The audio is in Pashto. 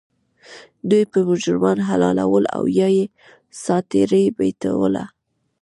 دوی به مجرمان حلالول او یا یې سا ترې بیټوله.